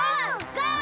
ゴー！